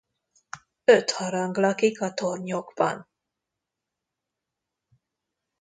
Öt harang lakik a tornyokban.